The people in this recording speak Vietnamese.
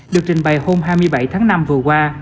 được trình bày hôm hai mươi bảy tháng năm vừa qua